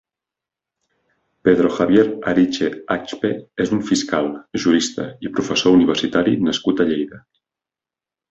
Pedro Javier Ariche Axpe és un fiscal, jurista i professor universitari nascut a Lleida.